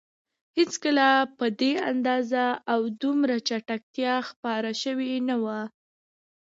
هېڅکله په دې اندازه او دومره چټکتیا خپاره شوي نه وو.